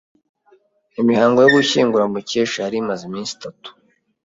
Imihango yo gushyingura Mukesha yari imaze iminsi itatu.